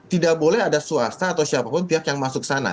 tidak boleh ada swasta atau siapapun pihak yang masuk sana